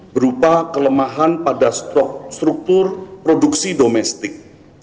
berupa kelemahan pada struktur produksi domestik